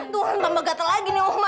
tuh tambah gatal lagi nih oma